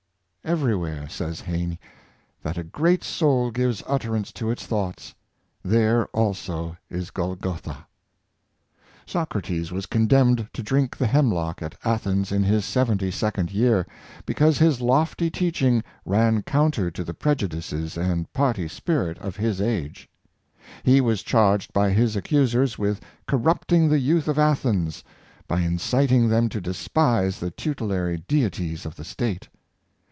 "Every where," says Heine, " that a great soul gives utterance to its thoughts, there also is a Golgotha." Socrates was condemned to drink the hemlock at Athens in his seventy second year, because his lofty teaching ran counter to the prejudices and party spirit of his age. He was charged by his accusers with cor rupting the youth of Athens by inciting them to despise the tutelary deities of the state.